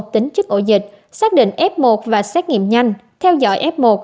tính chức ổ dịch xác định f một và xét nghiệm nhanh theo dõi f một